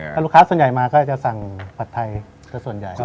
ถ้าลูกค้าส่วนใหญ่มาก็จะสั่งผัดไทยส่วนใหญ่